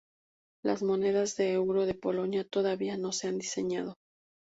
Las monedas de euro de Polonia todavía no se han diseñado.